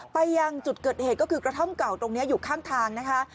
ไปยังจุดเกิดเหตุก็คือกระท่อมเก่าตรงนี้อยู่ข้างทางนะคะ